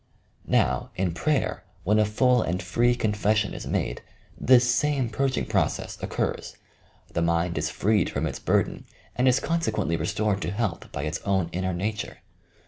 Now, in prayer, when a full and free confession is made, this same purging process occurs. The mind is freed from its burden and is consequently restored to health by its own inner nature.